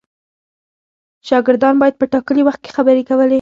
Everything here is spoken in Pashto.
شاګردان باید په ټاکلي وخت کې خبرې کولې.